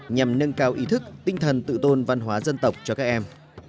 nhằm nâng cao ý thức tinh thần tự tôn văn hóa dân tộc cho các em